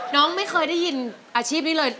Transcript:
น้องไม่เคยได้ยินอาชีพนี้เลย